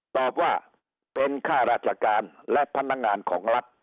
ตอบว่าเป็นค่าราชการและพนักงานของรัฐ